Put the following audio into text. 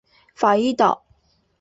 法伊岛。